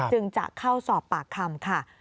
จึงจะเข้าสอบปากคำค่ะ